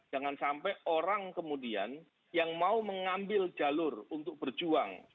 jangan sampai orang kemudian yang mau mengambil jalur untuk berjuang